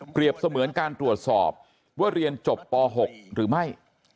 เสมือนการตรวจสอบว่าเรียนจบป๖หรือไม่